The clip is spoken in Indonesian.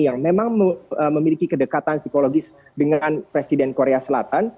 yang memang memiliki kedekatan psikologis dengan presiden korea selatan